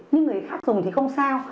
nhưng người khác dùng thì không sao